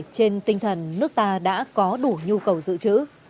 trên tinh thần nước ta đã có đủ nhu cầu giữ chữ